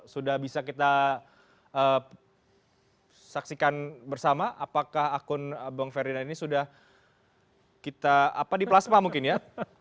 sudah bisa kita saksikan bersama apakah akun bung ferdinand ini sudah kita apa di plasma mungkin ya